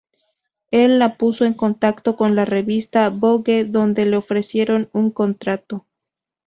Él la puso en contacto con la revista "Vogue", donde le ofrecieron un contrato.